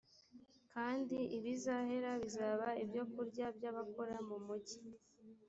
kandi ibizahera bizaba ibyokurya by abakora mu mugi